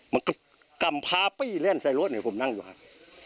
มันก็กำพาปี้แล่นใส่รถเนี่ยผมนั่งอยู่ครับ